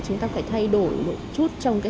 chúng ta phải thay đổi một chút trong cái